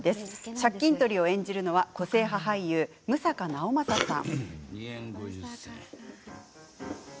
借金取りを演じるのは個性派俳優、六平直政さん。